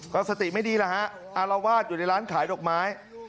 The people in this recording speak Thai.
ก็สติไม่ดีแล้วฮะอารวาสอยู่ในร้านขายดอกไม้